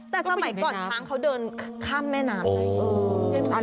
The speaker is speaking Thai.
แต่ก็หมายถึงก่อนช้างเขาเดินข้ามแม่น้ำเลย